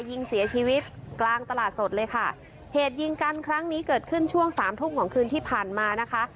ยิงเสียชีวิตกลางตลาดสดเลยค่ะเหตุยิงกันครั้งนี้เกิดขึ้นช่วงสามทุ่มของคืนที่ผ่านมานะคะ